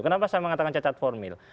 kenapa saya mengatakan cacat formil